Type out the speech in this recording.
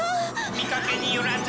見かけによらず。